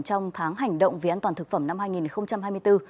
trong tháng hành động vì an toàn thực phẩm năm hai nghìn hai mươi bốn